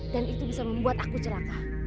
dan itu bisa membuat aku celaka